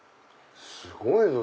すごいぞ！